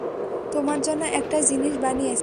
তোমার জন্য একটা জিনিস বানিয়েছি।